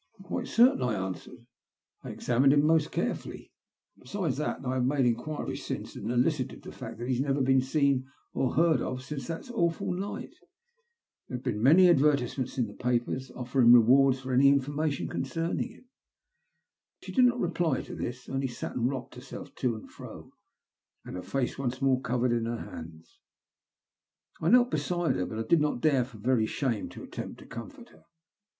" "Quite certain," I answered. "I examined him most carefully. Besides, I have made enquiries since and elicited the fact that he has never been seen or heard of since that awful night. There have been advertisements in the papers offering rewards for any information concerning him." She did not reply to this, only sat and rocked herself to and fro, her face once more covered in her hands. I knelt beside her, but did not dare, for very shame, to attempt to comfort her.